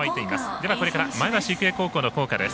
では前橋育英高校の校歌です。